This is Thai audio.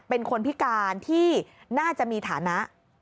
เป็นคนพิการที่น่าจะมีฐานะ